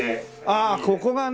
ああここがね！